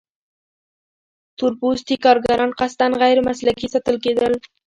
تور پوستي کارګران قصداً غیر مسلکي ساتل کېدل.